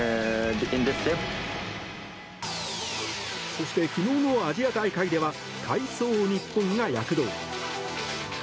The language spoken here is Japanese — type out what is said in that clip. そして、昨日のアジア大会では体操日本が躍動。